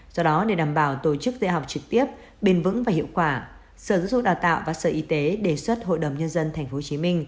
do đó để đảm bảo tổ chức dạy học trực tiếp bền vững và hiệu quả sở giáo dục đào tạo và sở y tế đề xuất hội đồng nhân dân tp hcm